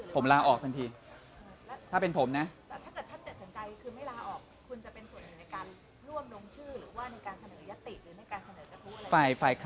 พวกเราเป็นหัวหน้าพัก